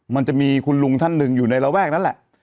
มันจะมีคุณลุงท่านหนึ่งอยู่ในระแวกนั้นแหละ